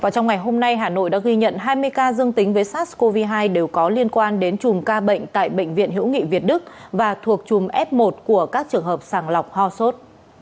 trong ngày hôm nay hà nội đã ghi nhận hai mươi ca dương tính với sars cov hai đều có liên quan đến chùm ca bệnh tại bệnh viện hữu nghị việt đức và thuộc chùm f một của các trường hợp sàng lọc ho sốt